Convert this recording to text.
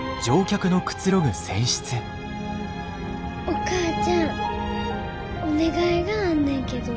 お母ちゃんお願いがあんねんけど。